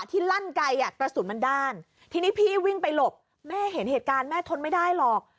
ลั่นไกลอ่ะกระสุนมันด้านทีนี้พี่วิ่งไปหลบแม่เห็นเหตุการณ์แม่ทนไม่ได้หรอก